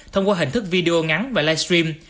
thông qua hình thức video ngắn và live stream